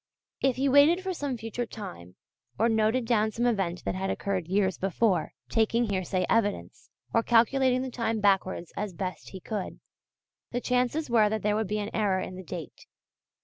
If he waited for some future time, or noted down some event that had occurred years before, taking hearsay evidence, or calculating the time backwards as best he could, the chances were that there would be an error in the date.